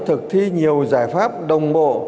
thực thi nhiều giải pháp đồng bộ